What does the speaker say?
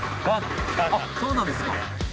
あっそうなんですか。